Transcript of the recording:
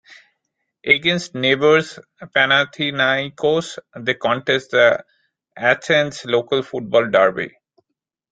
Against neighbours Panathinaikos, they contest the Athens local football derby.